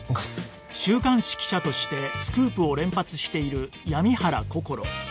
週刊誌記者としてスクープを連発している闇原こころ